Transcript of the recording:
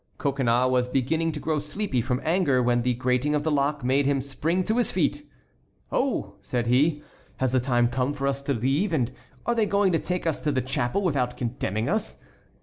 Coconnas was beginning to grow sleepy from anger when the grating of the lock made him spring to his feet. "Oh!" said he, "has the time come for us to leave and are they going to take us to the chapel without condemning us?